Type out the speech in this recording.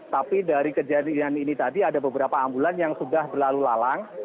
tapi dari kejadian ini tadi ada beberapa ambulan yang sudah berlalu lalang